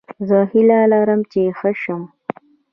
زه هیله لرم چې ښه شم